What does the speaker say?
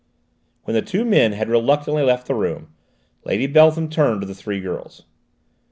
When the two men had reluctantly left the room, Lady Beltham turned to the three girls.